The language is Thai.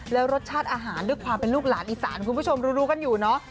แล้วรสชาติอาหารด้วยความเป็นลูกหลานอีสานคุณผู้ชมรู้กันอยู่เนอะ